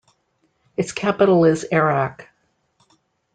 Its capital is Arak.